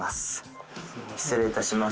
失礼いたします。